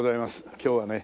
今日はね